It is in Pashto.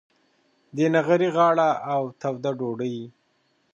د نغري غاړه او توده ډوډۍ.